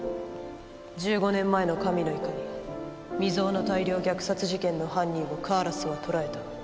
１５年前の神の怒り未曾有の大量虐殺事件の犯人をカーラスは捕らえた。